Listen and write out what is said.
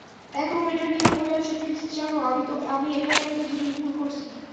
এখনো এটা নিয়ে পরে আছো, ট্রিক্স জানো আমি এখানে একটা জিনিস ভুল করছি?